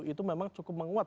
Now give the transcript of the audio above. itu memang cukup menguat